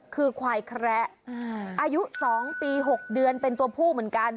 คือควายแคระอายุ๒ปี๖เดือนเป็นตัวผู้เหมือนกัน